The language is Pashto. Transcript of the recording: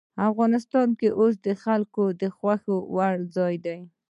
افغانستان کې اوښ د خلکو د خوښې وړ ځای دی.